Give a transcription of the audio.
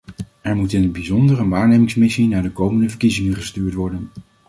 Er moet in het bijzonder een waarnemingsmissie naar de komende verkiezingen gestuurd worden.